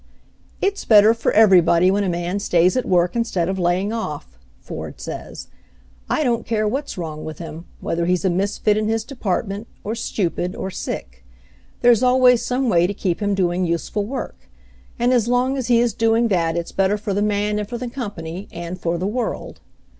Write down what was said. "It's better for everybody when a man stays at work, instead of laying off," Ford says. "I don't care what's wrong with him, whether he's a misfit in his^department, or stupid, or sick. There's always some way to keep him doing use ful work. And as long as he is doing that it's better for the man and for the company, and for the world.